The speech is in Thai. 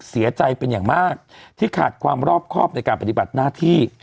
เสียใจเป็นอย่างมากที่ขาดความรอบครอบในการปฏิบัติหน้าที่